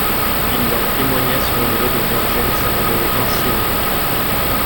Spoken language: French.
Il leur témoigna son regret de voir Gênes s'abandonner ainsi elle-même.